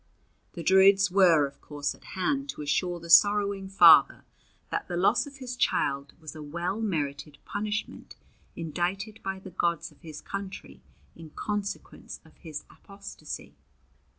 The Druids were of course at hand to assure the sorrowing father that the loss of his child was a well merited punishment indicted by the gods of his country in consequence of his apostasy.